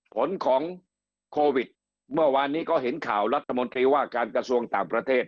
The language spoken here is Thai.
ผลของโควิดเมื่อวานนี้ก็เห็นข่าวรัฐมนตรีว่าการกระทรวงต่างประเทศ